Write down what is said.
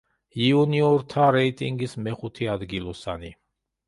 იუნიორთა რეიტინგის მეხუთე ადგილოსანი.